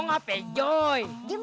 ya udah di situ